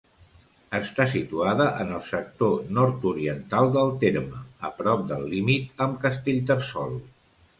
Està situada en el sector nord-oriental del terme, a prop del límit amb Castellterçol.